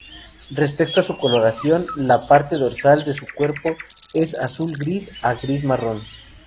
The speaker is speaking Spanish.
Respecto a su coloración, la parte dorsal de su cuerpo es azul-gris a gris-marrón.